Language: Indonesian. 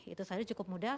itu saya cukup mudah